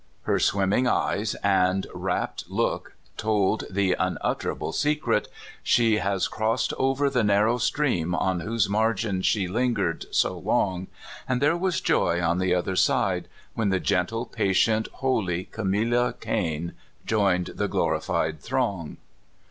Her swimming eyes and rapt look told the unutterable secret. She has crossed over the narrow stream on whose margin she lingered so long ; and there was joy on the other side when the gentle, patient, holy Camilla Cain joined the glorified throng.